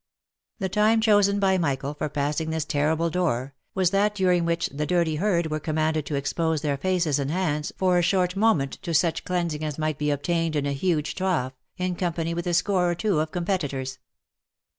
The time chosen by Michael for passing this terrible door, was that during which the dirty herd were commanded to expose their faces and hands for a short moment to such cleansing as might be obtained in a huge trough, in company with a score or two of competitors.